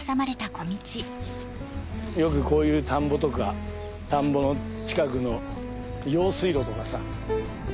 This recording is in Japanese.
よくこういう田んぼとか田んぼの近くの用水路とかさ。